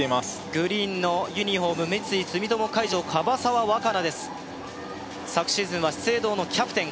グリーンのユニホーム三井住友海上樺沢和佳奈です昨シーズンは資生堂のキャプテン